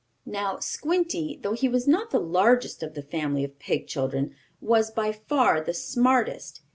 Now Squinty, though he was not the largest of the family of pig children, was by far the smartest.